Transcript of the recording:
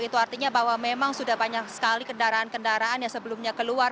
itu artinya bahwa memang sudah banyak sekali kendaraan kendaraan yang sebelumnya keluar